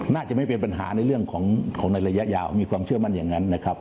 น่าจะไม่เป็นปัญหาในเรื่องของในระยะยาวมีความเชื่อมั่นอย่างนั้นนะครับ